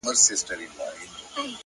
پرمختګ د کوچنیو اصلاحاتو دوام دی,